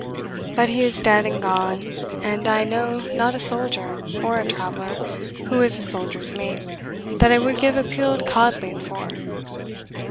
But he is dead and gone, and I know not a soldier, or a traveller, who is a soldier's mate, that I would give a peeled codling for."